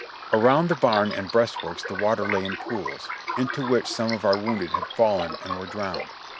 Around the barn and breastworks the water lay in pools, into which some of our wounded had fallen and were drowned.